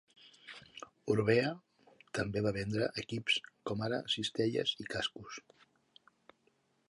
Orbea també va vendre equips com ara cistelles i cascos.